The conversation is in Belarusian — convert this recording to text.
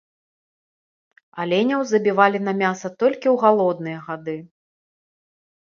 Аленяў забівалі на мяса толькі ў галодныя гады.